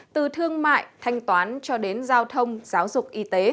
từ thương mại thanh toán cho đến giao thông giáo dục